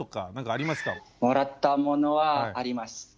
もらったものはあります。